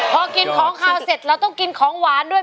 พอกินของขาวเสร็จเราต้องกินของหวานด้วย